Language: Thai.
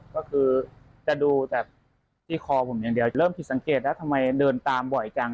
ก็คือจะดูแต่ที่คอผมอย่างเดียวเริ่มผิดสังเกตแล้วทำไมเดินตามบ่อยจัง